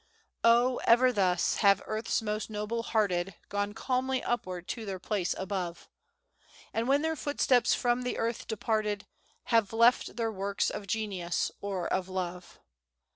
"O, ever thus have Earth's most noble hearted Gone calmly upward to their place above! And when their footsteps from the earth departed, Have left their works of genius or of love.